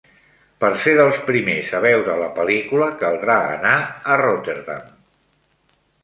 Per ser dels primers a veure la pel·lícula caldrà anar a Rotterdam.